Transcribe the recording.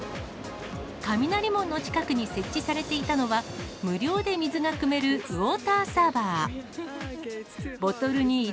雷門の近くに設置されていたのは、無料で水がくめるウォーターサーバー。